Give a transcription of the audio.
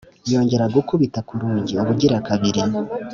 yongera gukubita ku rugi ubugira kabiri;